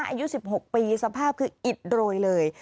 อายุ๑๖ปีสภาพคืออิดโรยเลย